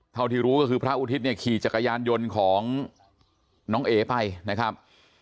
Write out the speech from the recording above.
เท่าที่รู้ก็คือพระอุทิศเนี่ยขี่จักรยานยนต์ของน้องเอ๋ไปนะครับ